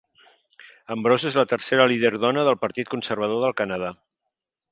Ambrose és la tercera líder dona del partit conservador del Canadà.